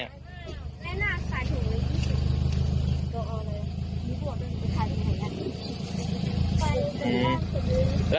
เน็ตนาขายโถง